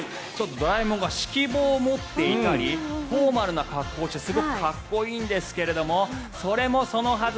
ドラえもんが指揮棒を持っていたりフォーマルな格好をしてすごくかっこいいんですがそれもそのはず